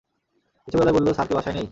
নিচু গলায় বলল, স্যার কি বাসায় নেই?